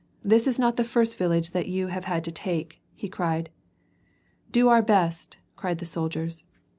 this is not the first Tillage that you have had to take," he cried. "Do our best," cried the soldiers.